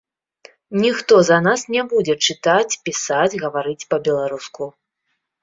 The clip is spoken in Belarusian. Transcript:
Ніхто за нас не будзе чытаць, пісаць, гаварыць па-беларуску.